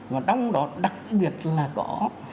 và trong đó đặc biệt là có